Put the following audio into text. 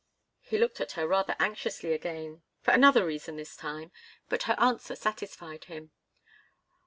He looked at her rather anxiously again for another reason, this time. But her answer satisfied him.